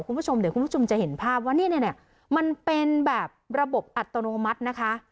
คุณผู้ชมเดี๋ยวคุณผู้ชมจะเห็นภาพว่าเนี่ยมันเป็นแบบระบบอัตโนมัตินะคะ